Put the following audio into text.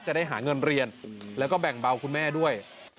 จะได้หาเงินเรียนแล้วก็แบ่งเบาคุณแม่ด้วย